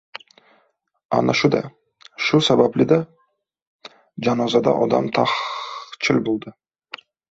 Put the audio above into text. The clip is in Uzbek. — Ana shu-da. Shu sababli-da janozada odam taxchil bo‘ldi.